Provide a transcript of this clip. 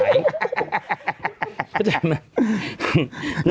พี่รู้จักไหม